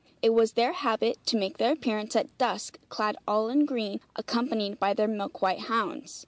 It was their habit to make their appearance at dusk clad all in green, accompanied by their milk white hounds.